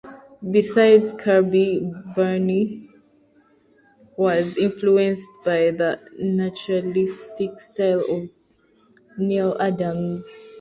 Besides Kirby, Byrne was influenced by the naturalistic style of Neal Adams.